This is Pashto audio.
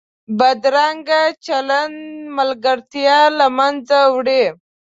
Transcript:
بدرنګه چلند ملګرتیا له منځه وړي